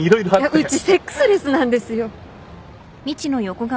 うちセックスレスなんですよ